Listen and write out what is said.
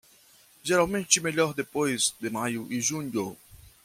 Geralmente melhor depois de maio e junho.